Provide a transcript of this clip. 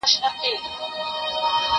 کېدای سي لرګي دروند وي؟